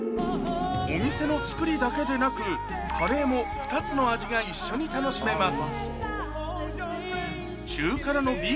お店の造りだけでなくカレーも２つの味が一緒に楽しめます